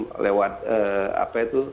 nanti lewat apa itu